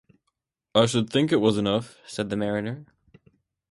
"I should think it was enough," said the mariner.